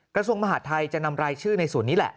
กระทรวงมหาดไทยจะนำรายชื่อในส่วนนี้แหละ